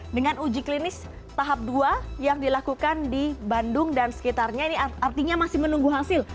dengan uji klinis tahap dua yang dilakukan di bandung dan sekitarnya ini artinya masih menunggu hasil